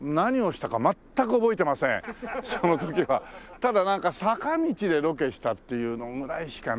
ただなんか坂道でロケしたっていうのぐらいしかね。